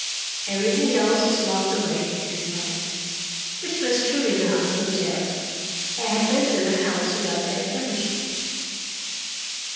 "Everything else is locked away," she replied. Which was true enough, no doubt. I had rented the house without bed furnishings.